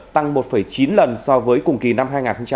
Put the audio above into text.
tăng một chín lần so với cùng kỳ năm hai nghìn hai mươi một